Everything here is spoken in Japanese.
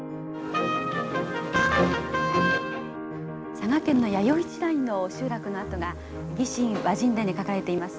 佐賀県の弥生時代の集落の跡が「魏志倭人伝」に書かれています